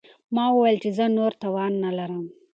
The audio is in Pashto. ما وویل چې زه نور توان نه لرم.